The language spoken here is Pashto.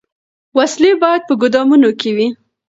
وسلې باید په ګودامونو کي وي.